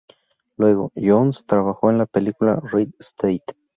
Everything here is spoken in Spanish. Luego, Jones trabajó en la película "Red State".